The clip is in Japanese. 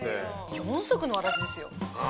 四足のわらじですよ。